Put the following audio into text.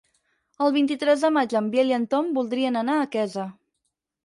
El vint-i-tres de maig en Biel i en Tom voldrien anar a Quesa.